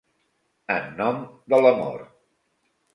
En nom de l"amor.